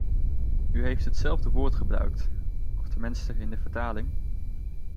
U heeft hetzelfde woord gebruikt, of tenminste in de vertaling.